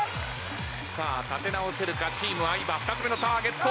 立て直せるかチーム相葉２つ目のターゲット。